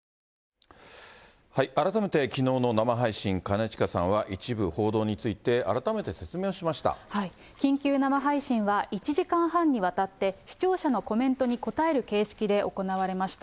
改めてきのうの生配信、兼近さんは一部報道について、改めて緊急生配信は、１時間半にわたって、視聴者のコメントに答える形式で行われました。